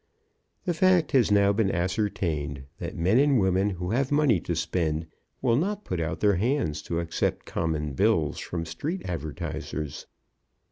The fact has now been ascertained that men and women who have money to spend will not put out their hands to accept common bills from street advertisers.